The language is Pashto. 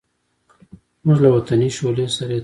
زموږ له وطني شولې سره یې توپیر و.